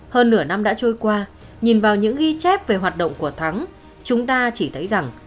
hơn nửa năm đã trôi qua nhìn vào những ghi chép về hoạt động của thắng chúng ta chỉ thấy rằng